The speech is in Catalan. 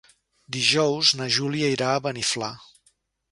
Dijous na Júlia irà a Beniflà.